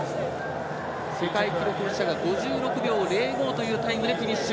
世界記録保持者が５６秒０５というタイムでフィニッシュ。